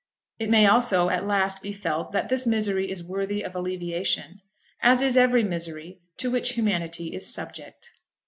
It may also at last be felt that this misery is worthy of alleviation, as is every misery to which humanity is subject.